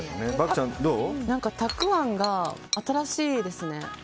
たくあんが新しいですね。